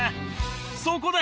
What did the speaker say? そこで！